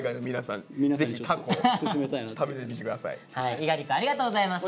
猪狩くんありがとうございました。